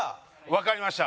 わかりました。